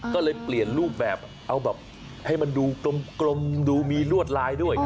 ก็เลยเปลี่ยนรูปแบบเอาแบบให้มันดูกลมดูมีลวดลายด้วย